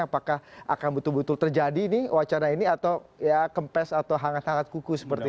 apakah akan betul betul terjadi nih wacana ini atau ya kempes atau hangat hangat kuku seperti itu